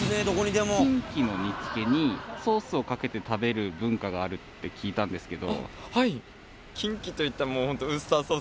キンキの煮つけにソースをかけて食べる文化があるって聞いたんですけど。